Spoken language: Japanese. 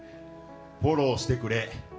フォローしてくれ。